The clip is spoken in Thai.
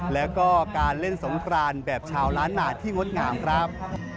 แล้วก็การเล่นสงครานแบบชาวล้านนาที่งดงามครับ